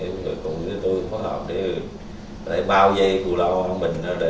để bao dây cụ lo của mình để mình khắp xét phát hiện hiện vi và tưởng tượng chưa trải thoát được xa lắm